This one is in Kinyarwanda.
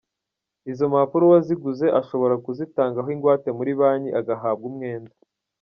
Izo mpapuro uwaziguze ashobora kuzitangaho ingwate muri Banki agahabwa umwenda.